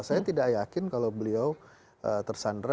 saya tidak yakin kalau beliau tersandra